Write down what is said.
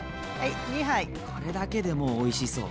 これだけでもうおいしそう。